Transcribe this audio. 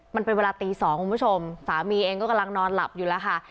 มันเป็นเวลาตี๒คุณผู้ชมสามีเองก็กำลังนอนหลับอยู่แล้วค่ะ